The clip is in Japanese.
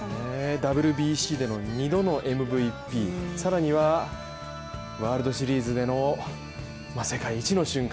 ＷＢＣでの２度のＭＶＰ、さらにはワールドシリーズでの世界一の瞬間